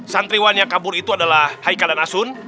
santriwan yang kabur itu adalah haikal dan asun